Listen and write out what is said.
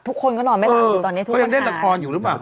ทุกคนก็นอนไม่ลาอยู่ตอนนี้ต้องเล่นโดยละครอยู่หรือเปล่า